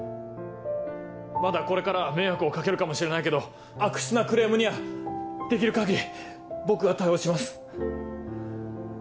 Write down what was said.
まだこれから迷惑を掛けるかもしれないけど悪質なクレームにはできる限り僕が対応します。